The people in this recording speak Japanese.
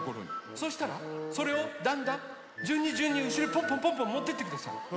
そうしたらそれをだんだんじゅんにじゅんにうしろへポンポンポンポンもってってください。